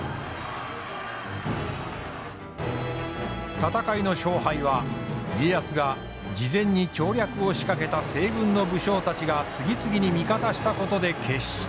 戦いの勝敗は家康が事前に調略を仕掛けた西軍の武将たちが次々に味方したことで決した。